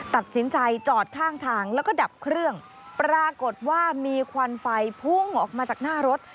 ตัดสินใจจอดข้างทางแล้วก็ดับเครื่องปรากฏว่ามีควันไฟพุ่งออกมาจากหน้ารถ